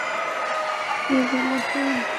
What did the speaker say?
কী জ্বালাতন যে করো ভাই!